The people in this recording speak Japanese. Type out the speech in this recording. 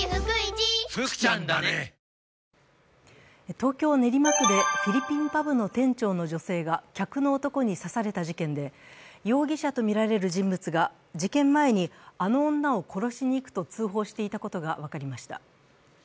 東京・練馬区でフィリピンパブの店長の女性が客の男に刺された事件で容疑者とみられる人物が事件前に、あの女を殺しに行くと通報していたことが分かりました。